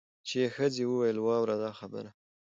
چي یې ښځي ویل واوره دا خبره